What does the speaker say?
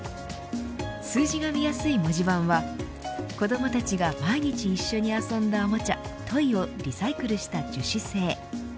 数字が見やすい文字盤は子どもたちが毎日一緒に遊んだおもちゃ、ＴＯＹをリサイクルした樹脂製。